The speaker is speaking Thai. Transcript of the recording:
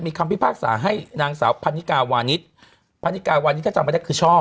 มีคำพิพากษาให้นางสาวพันนิกาวานิสพนิกาวานิสถ้าจำไม่ได้คือช่อ